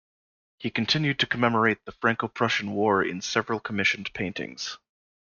He continued to commemorate the Franco-Prussian War in several commissioned paintings.